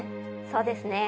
そうですね